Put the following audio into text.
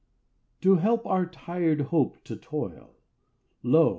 To help our tired hope to toil, Lo!